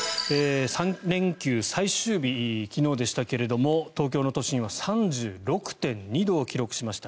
３連休最終日昨日でしたけれども東京の都心は３６．２度を記録しました。